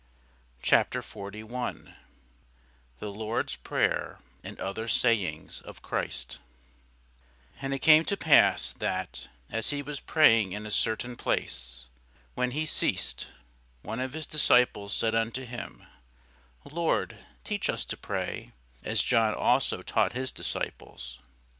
CHAPTER 41 THE LORD'S PRAYER AND OTHER SAYINGS OF CHRIST [Sidenote: St. Luke 11] AND it came to pass, that, as he was praying in a certain place, when he ceased, one of his disciples said unto him, Lord, teach us to pray, as John also taught his disciples.